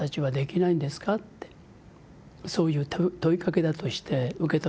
そういう問いかけだとして受け止めました。